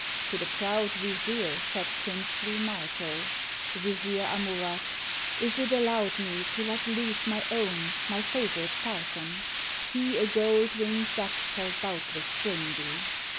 To the proud vizier said princely Marko : "Vizier Amurath! is it allow'd me To let loose my own, my favorite falcon? He a gold wing'd duck shall doubtless bring thee."